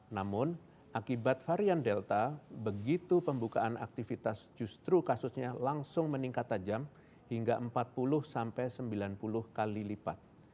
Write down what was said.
namun akibat varian delta begitu pembukaan aktivitas justru kasusnya langsung meningkat tajam hingga empat puluh sampai sembilan puluh kali lipat